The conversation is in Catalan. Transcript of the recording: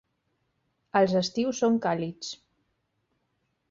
Els estius són càlids.